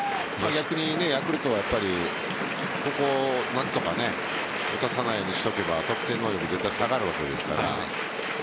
逆にヤクルトはここを何とか打たせないようにしておけば得点能力は下がるわけですから。